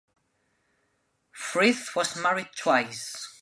Frith was married twice.